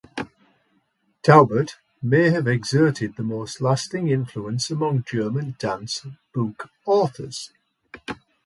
Taubert may have exerted the most lasting influence among German dance book authors.